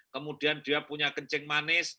kemudian dia punya kencing manis